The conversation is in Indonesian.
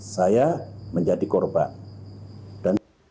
saya menjadi korban